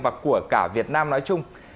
và của cả việt nam nói chung